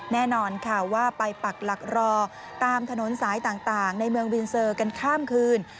แน่นอนค่ะว่าไปปักหลักรอตามถนนสายต่างในเมืองวินเซอร์กันข้ามคืน